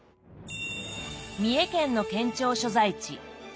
三重県の県庁所在地津市。